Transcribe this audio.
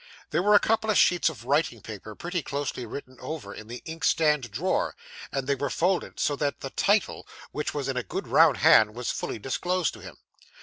There were a couple of sheets of writing paper, pretty closely written over, in the inkstand drawer, and they were folded so, that the title, which was in a good round hand, was fully disclosed to him.